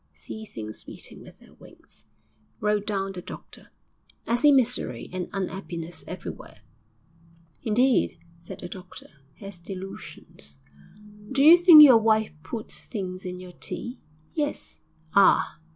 'Sees things beating with their wings,' wrote down the doctor. 'I see misery and un'appiness everywhere.' 'Indeed!' said the doctor. 'Has delusions. Do you think your wife puts things in your tea?' 'Yes.' 'Ah!'